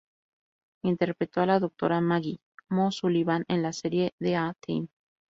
Interpretó a la doctora Maggie "Mo" Sullivan en la serie "The A-Team".